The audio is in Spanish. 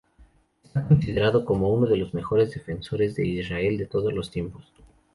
Está considerado como uno de los mejores defensores de Israel de todos los tiempos.